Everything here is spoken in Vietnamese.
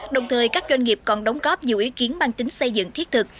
đồng thời các doanh nghiệp còn đóng góp nhiều ý kiến mang tính xây dựng thiết thực